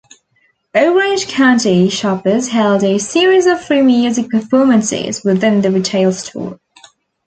Orange County Choppers held a series of free music performances within the retail store.